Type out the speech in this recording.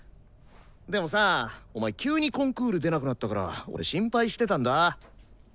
でもさお前急にコンクール出なくなったから俺心配してたんだ。